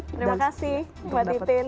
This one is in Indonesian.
terima kasih mbak ditin